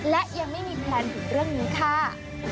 และยังไม่มีแพลนถึงเรื่องนี้ค่ะ